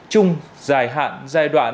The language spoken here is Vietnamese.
chung dài hạn giai đoạn